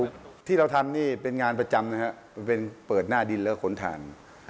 การขำหน่ายรถขำหน่าย